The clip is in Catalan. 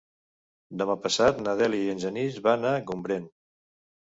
Demà passat na Dèlia i en Genís van a Gombrèn.